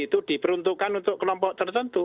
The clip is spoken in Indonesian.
itu diperuntukkan untuk kelompok tertentu